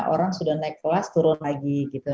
orang sudah naik kelas turun lagi gitu